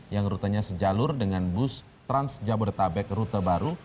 yang rutannya sejalur dengan bus trans jabodetabek rute baru